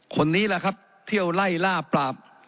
คนนี้แหละครับเที่ยวไล่ล่าปราบ